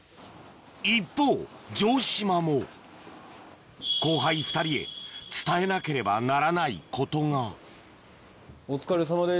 一方城島も後輩２人へ伝えなければならないことがお疲れさまです。